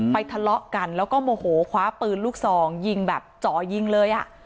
ทะเลาะกันแล้วก็โมโหคว้าปืนลูกซองยิงแบบจ่อยิงเลยอ่ะ